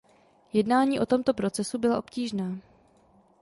Jednání o tomto procesu byla obtížná.